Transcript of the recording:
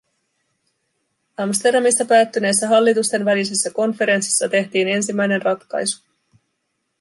Amsterdamissa päättyneessä hallitusten välisessä konferenssissa tehtiin ensimmäinen ratkaisu.